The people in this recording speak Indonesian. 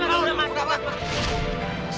udah mas mas mas